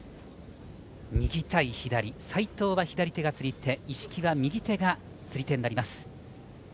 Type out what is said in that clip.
右対左、斉藤は左手が釣り手一色は右手が釣り手になります。